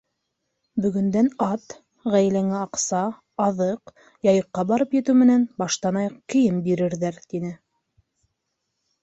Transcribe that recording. Бөгөндән ат, ғаиләңә аҡса, аҙыҡ, Яйыҡҡа барып етеү менән баштан-аяҡ кейем бирерҙәр, — тине.